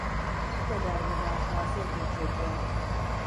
Bu kadar müdafaasız bir çocuğa...